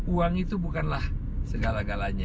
uang itu bukanlah segala galanya